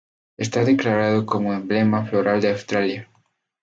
Está declarado como emblema floral de Australia.